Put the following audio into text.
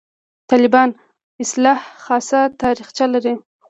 «طالبان» اصطلاح خاصه تاریخچه لري.